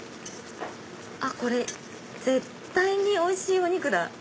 これ絶対においしいお肉だ！